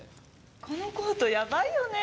このコートやばいよね。